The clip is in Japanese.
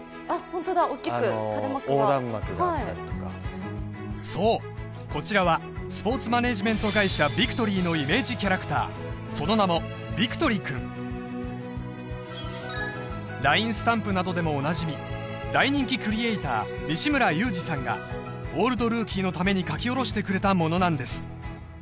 ホントだ大きく垂れ幕が横断幕があったりとかそうこちらはスポーツマネージメント会社ビクトリーのイメージキャラクターその名もＬＩＮＥスタンプなどでもおなじみ大人気クリエイターにしむらゆうじさんが「オールドルーキー」のために描きおろしてくれたものなんです